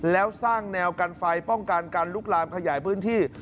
แล้วสร้างแนวกันไฟป้องกันการลุกลามขยายพื้นที่